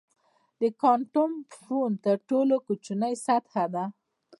د کوانټم فوم تر ټولو کوچنۍ سطحه ده.